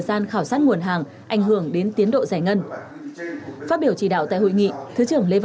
gian khảo sát nguồn hàng ảnh hưởng đến tiến độ giải ngân phát biểu chỉ đạo tại hội nghị thứ trưởng lê văn